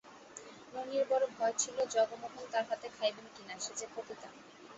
ননির বড়ো ভয় ছিল জগমোহন তার হাতে খাইবেন কি না, সে যে পতিতা।